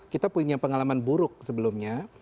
kita punya pengalaman buruk sebelumnya